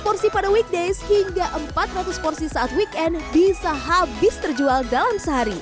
porsi pada weekdays hingga empat ratus porsi saat weekend bisa habis terjual dalam sehari